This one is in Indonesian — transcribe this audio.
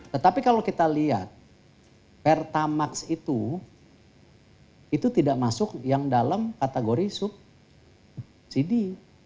tetapi kalau kita lihat pertamax itu itu tidak masuk yang dalam kategori subsidi